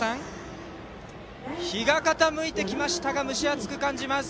日が傾いてきましたが蒸し暑く感じます。